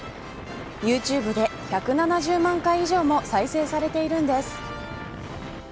ユーチューブで１７０万回以上も再生されているんです。